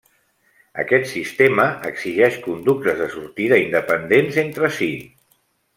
Aquest sistema exigeix conductes de sortida independents entre si.